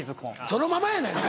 そのままやないか！